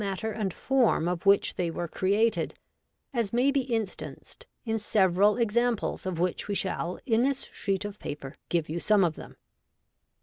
121 matter and form of which they were created, as may be instanced in several examples, of which we shall in this sheet of paper give you some of them.